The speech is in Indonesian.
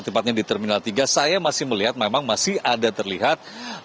tepatnya di terminal tiga saya masih melihat memang masih ada terlihat